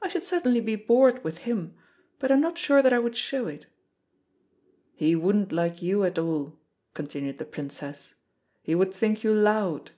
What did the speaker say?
"I should certainly be bored with him, but I'm not sure that I would show it." "He wouldn't like you at all," continued the Princess. "He would think you loud.